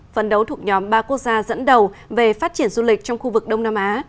phấn đấu thuộc nhóm ba quốc gia dẫn đầu về phát triển du lịch trong khu vực đông nam á